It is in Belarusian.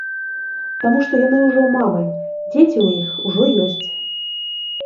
Таму што яны ўжо мамы, дзеці ў іх ужо ёсць.